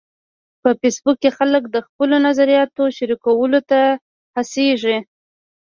په فېسبوک کې خلک د خپلو نظریاتو شریکولو ته هڅیږي.